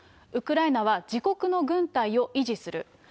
ウクライナは自国の軍隊を維持する。